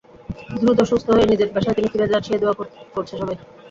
দ্রুত সুস্থ হয়ে নিজের পেশায় তিনি ফিরে যান, সেই দোয়া করছে সবাই।